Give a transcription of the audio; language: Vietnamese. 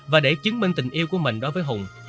và để chứng minh tình yêu của mình đối với hùng